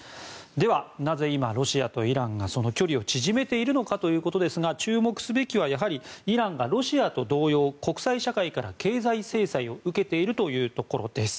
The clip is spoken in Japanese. では、なぜ今ロシアとイランがその距離を縮めているのかということですが注目すべきはやはりイランがロシアと同様国際社会から経済制裁を受けているというところです。